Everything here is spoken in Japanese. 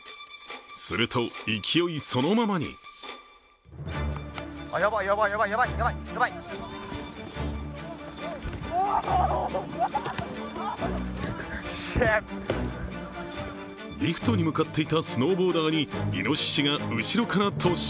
すると、勢いそのままにリフトに向かっていたスノーボーダーにいのししが後ろから突進。